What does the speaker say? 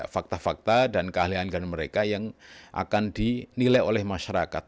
fakta fakta dan keahlian alih mereka yang akan dinilai oleh masyarakat